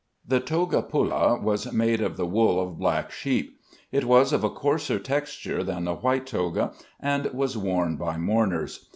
The toga pulla was made of the wool of black sheep. It was of a coarser texture than the white toga, and was worn by mourners.